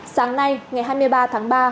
sáng nay ngày hai mươi ba tháng ba